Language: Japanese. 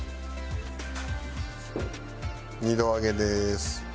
２度揚げです。